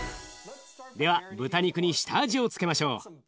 では豚肉に下味を付けましょう。